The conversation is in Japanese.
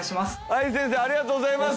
愛先生ありがとうございます。